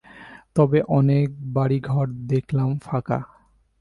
তবে অনেক বাড়ি-ঘর দেখলাম ফাঁকা।